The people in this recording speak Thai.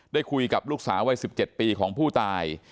ได้คุยกับลูกสาววัย๑๗ปีของผู้ตาย